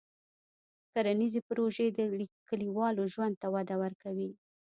کرنيزې پروژې د کلیوالو ژوند ته وده ورکوي.